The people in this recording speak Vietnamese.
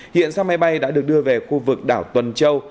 hiện xe máy bay đã được đưa về khu vực đảo tuần châu